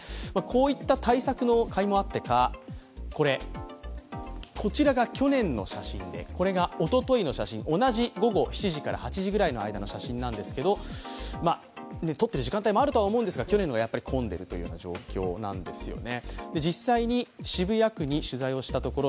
こういった対策のかいもあってか、こちらが去年の写真でこれがおとといの写真、同じ午後７時から８時ぐらいの時間帯なんですが撮っている時間帯もあると思いますが去年の方が混んでいるという状況なんですね。